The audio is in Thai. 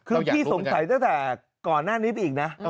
คือพี่สงสัยตั้งแต่ก่อนหน้านี้ไปอีกนะ